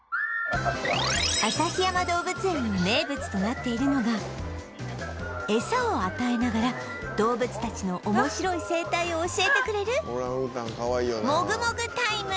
旭山動物園の名物となっているのがエサを与えながら動物たちの面白い生態を教えてくれるもぐもぐタイム